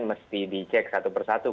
mesti dicek satu persatu